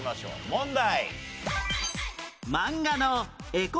問題。